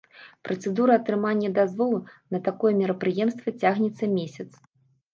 Працэдура атрымання дазволу на такое мерапрыемства цягнецца месяц.